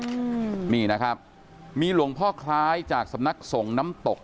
อืมนี่นะครับมีหลวงพ่อคล้ายจากสำนักส่งน้ำตก